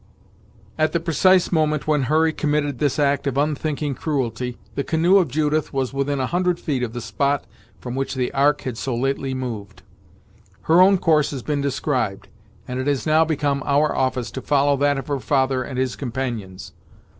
At the precise moment when Hurry committed this act of unthinking cruelty, the canoe of Judith was within a hundred feet of the spot from which the Ark had so lately moved. Her own course has been described, and it has now become our office to follow that of her father and his companions.